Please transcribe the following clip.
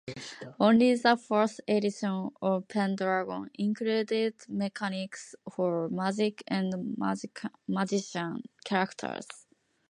Only the fourth edition of "Pendragon" included mechanics for magic and magician characters.